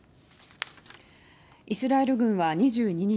イスラエル軍は２２日